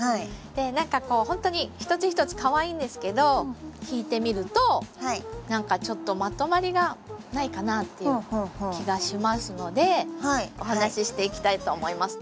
何かこうほんとに一つ一つかわいいんですけど引いて見ると何かちょっとまとまりがないかなっていう気がしますのでお話ししていきたいと思います。